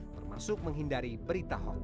termasuk menghindari berita hoax